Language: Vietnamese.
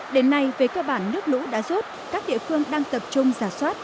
đến nay với cơ bản nước lũ đã rốt các địa phương đang tập trung giả soát